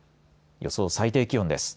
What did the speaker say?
予想最低気温です。